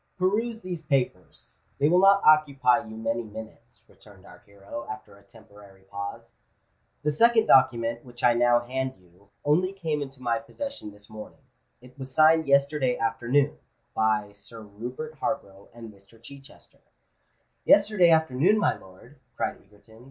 "Peruse these papers—they will not occupy you many minutes," returned our hero, after a temporary pause. "The second document, which I now hand you, only came into my possession this morning: it was signed yesterday afternoon, by Sir Rupert Harborough and Mr. Chichester——" "Yesterday afternoon, my lord!" cried Egerton.